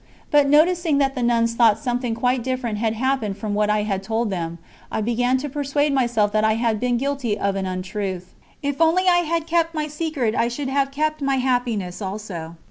But noticing that the nuns thought something quite different had happened from what I had told them, I began to persuade myself that I had been guilty of an untruth. If only I had kept my secret I should have kept my happiness also.